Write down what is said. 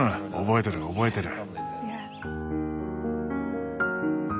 覚えてる覚えてる。